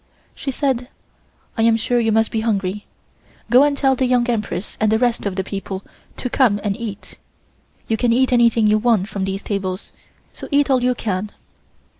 She said: "I am sure you must be hungry. Go and tell the Young Empress and the rest of the people to come and eat. You can eat anything you want from these tables, so eat all you can."